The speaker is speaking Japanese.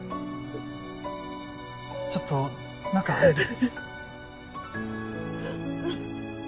ちょっと中入る？